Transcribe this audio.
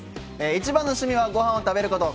一番の趣味はご飯を食べること！